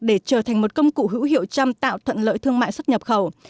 để trở thành một công cụ hữu hiệu chăm tạo thuận lợi thương mại xuất nhập khẩu